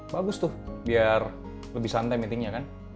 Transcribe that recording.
bagus tuh biar lebih santai meetingnya kan